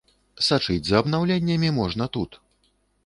Сачыць за абнаўленнямі можна тут!